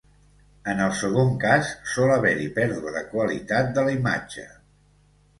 En el segon cas sol haver-hi pèrdua de qualitat de la imatge.